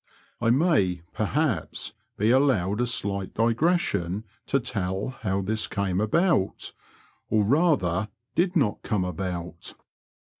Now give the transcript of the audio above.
I may, per haps, be allowed a slight digression to tell how this came about — or, rather, did not come about.